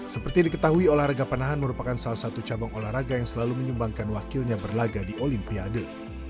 seperti diketahui olahraga panahan merupakan salah satu cabang olahraga yang selalu menyumbangkan wakilnya berlaga di olimpiade